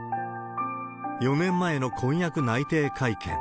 ４年前の婚約内定会見。